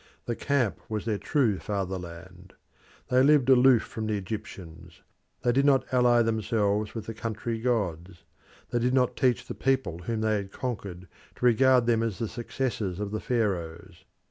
The camp was their true fatherland. They lived aloof from the Egyptians; they did not ally themselves with the country gods; they did not teach the people whom they had conquered to regard them as the successors of the Pharaohs.